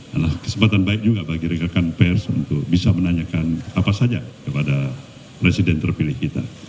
adalah kesempatan baik juga bagi rekan rekan pers untuk bisa menanyakan apa saja kepada presiden terpilih kita